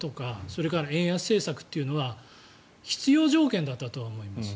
それから円安政策っていうのは必要条件だったとは思います。